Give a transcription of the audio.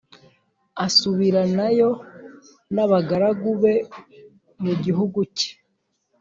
asubiranayo n’abagaragu be mu gihugu cye